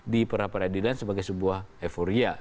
di peradilan sebagai sebuah euforia